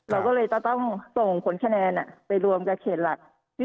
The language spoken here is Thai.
เราก็เลยจะต้องส่งผลคะแนนไปรวมกับเขตหลัก